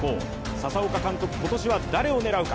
佐々岡監督、今年は誰を狙うか。